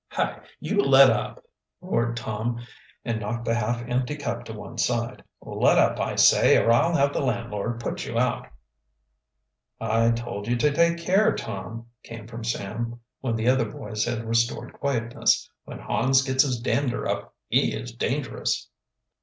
"Hi, you! let up!" roared Tom, and knocked the half empty cup to one side. "Let up, I say, or I'll have the landlord put you out." "I told you to take care, Tom," came from Sam, when the other boys had restored quietness. "When Hans gets his dander up he is dangerous."